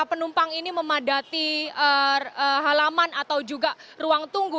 penumpang ini memadati halaman atau juga ruang tunggu